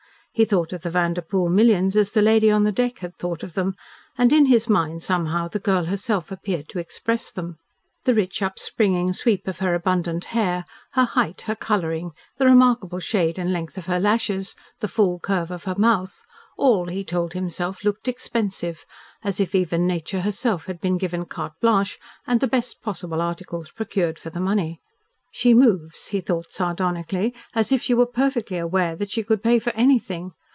He thought of the Vanderpoel millions as the lady on the deck had thought of them, and in his mind somehow the girl herself appeared to express them. The rich up springing sweep of her abundant hair, her height, her colouring, the remarkable shade and length of her lashes, the full curve of her mouth, all, he told himself, looked expensive, as if even nature herself had been given carte blanche, and the best possible articles procured for the money. "She moves," he thought sardonically, "as if she were perfectly aware that she could pay for anything.